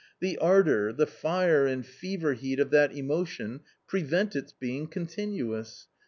The ardour, the fire and fever heat of that emotion prevent its being con tinuous.